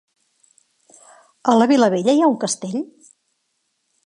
A la Vilavella hi ha un castell?